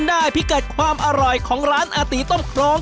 ได้พิเกิดความอร่อยของร้านอาตีต้มโครง